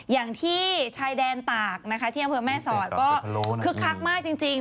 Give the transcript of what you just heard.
อย่างที่ชายแดนตากนะคะที่อำเภอแม่สอดก็คึกคักมากจริง